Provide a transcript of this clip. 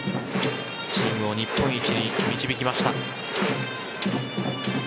チームを日本一に導きました。